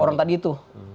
orang tadi itu